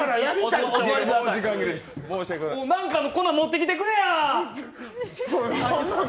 なんかの粉、持ってきてくれや。